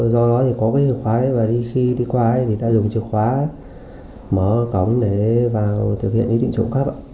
do đó thì có cái chìa khóa đấy và khi đi qua thì ta dùng chìa khóa mở cổng để vào thực hiện ý định trộm cấp